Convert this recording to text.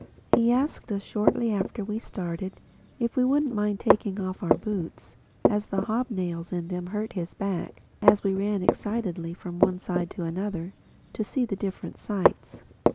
He asked us, shortly after we started, if we wouldn't mind taking off our boots, as the hobnails in them hurt his back as we ran excitedly from one side to another to see the different sights.